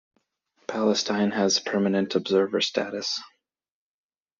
Palestine has permanent observer status.